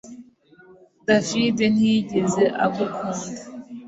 David ntiyigeze agukunda